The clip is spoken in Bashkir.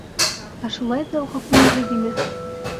Ә шулай ҙа уға күңелһеҙ ине.